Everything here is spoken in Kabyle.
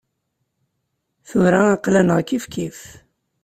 Tura aql-aneɣ kifkif.